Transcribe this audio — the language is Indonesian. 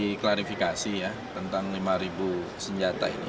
diklarifikasi ya tentang lima senjata ini